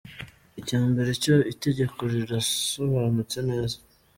Icya mbere cyo itegeko rirasobanutse neza.